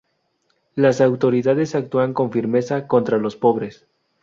Las autoridades actúan con firmeza contra los pobres.